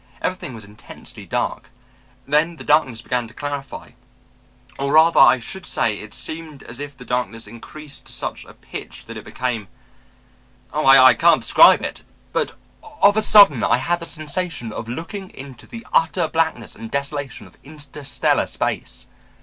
Everything was intensely dark. Then the darkness began to clarify. Or rather I should say it seemed as if the darkness increased to such a pitch that it became oh, I can't describe it! But of a sudden I had the sensation of looking into the utter bleakness and desolation of interstellar space.